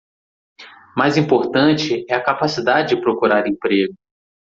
Mais importante é a capacidade de procurar emprego